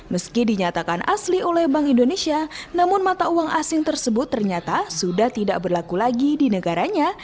meski dinyatakan asli oleh bank indonesia namun mata uang asing tersebut ternyata sudah tidak berlaku lagi di negaranya